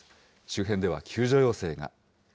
周辺では救助要請が。